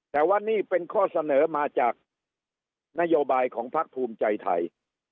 แต่ว่านี่เป็นข้อเสนอมาจากนโยบายของพักภูมิใจไทย